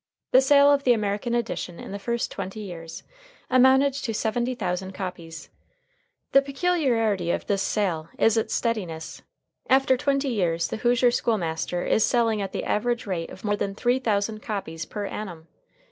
The sale of the American edition in the first twenty years amounted to seventy thousand copies. The peculiarity of this sale is its steadiness. After twenty years, "The Hoosier School Master" is selling at the average rate of more than three thousand copies per annum.